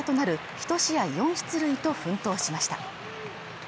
１試合４出塁と奮闘しました。